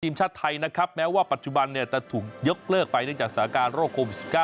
ทีมชาติไทยนะครับแม้ว่าปัจจุบันจะถูกยกเลิกไปเนื่องจากสถานการณ์โรคโควิด๑๙